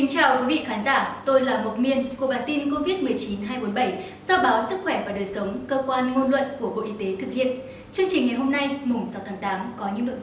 hãy đăng ký kênh để ủng hộ kênh của chúng mình nhé